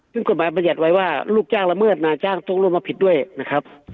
ซึ่งกฎหมายบรรยัติไว้ว่าลูกจ้างละเมิดนายจ้างต้องร่วมรับผิดด้วยนะครับ